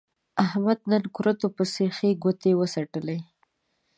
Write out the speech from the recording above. احمد نن په کورتو پسې ښې ګوتې و څټلې.